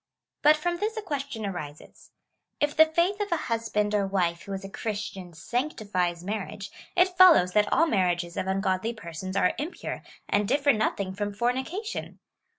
But from this a question arises —" If the faith of a hus band or wife who is a Christian sanctifies marriage, it follows that all marriages of ungodly persons are impure, and difter nothing from fornication."